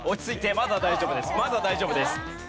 まだ大丈夫です。